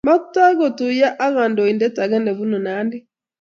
Maktoii kotuyo ak kandoiindet ake nebunu Nandi